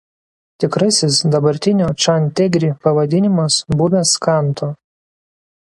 Tikrasis dabartinio Chan Tengri pavadinimas buvęs Kanto.